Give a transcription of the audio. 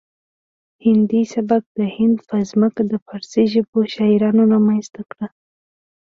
هندي سبک د هند په ځمکه د فارسي ژبو شاعرانو رامنځته کړ